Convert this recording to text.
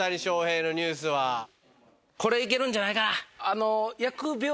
これ行けるんじゃないかな？